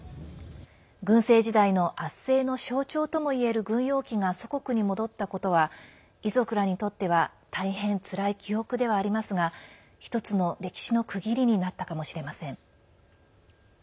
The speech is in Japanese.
軍政時代の圧制の象徴ともいえる軍用機が祖国に戻ったことは遺族らにとっては大変つらい記憶ではありますが１つの歴史の区切りになったかもしれません。